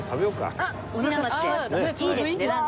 いいですね。